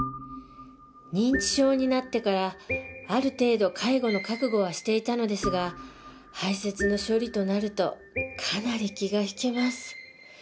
認知症になってからある程度介護の覚悟はしていたのですが排泄の処理となるとかなり気が引けます。